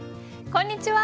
こんにちは。